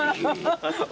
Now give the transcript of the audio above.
ハハハハ！